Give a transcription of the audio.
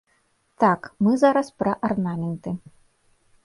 Так, мы зараз пра арнаменты.